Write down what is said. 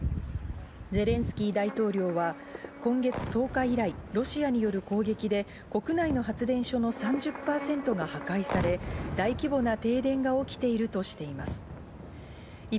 ゼレンスキー大統領は今月１０日以来、ロシアによる攻撃で国内の発電所の３０％が破壊され、大規模な停電が起きているとしています。